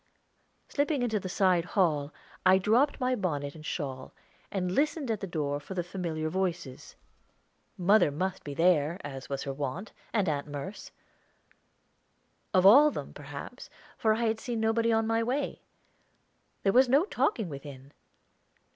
Slipping into the side hall, I dropped my bonnet and shawl, and listened at the door for the familiar voices. Mother must be there, as was her wont, and Aunt Merce. All of them, perhaps, for I had seen nobody on my way. There was no talking within.